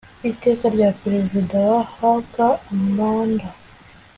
iteka rya perezida bahabwa manda